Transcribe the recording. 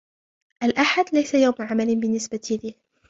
الأحد ليس يوم عمل بالنسبة لي.